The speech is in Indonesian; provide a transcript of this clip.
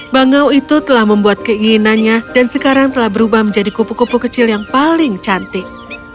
bangau itu telah membuat keinginannya dan sekarang telah berubah menjadi kupu kupu kecil yang paling cantik